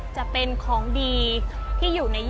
จะเป็นของดีที่อยู่ใน